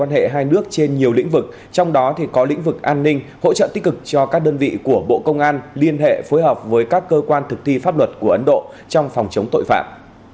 hỗ trợ tích cực cho các đơn vị của bộ công an liên hệ phối hợp với các cơ quan thực thi pháp luật của ấn độ trong phòng chống tội phạm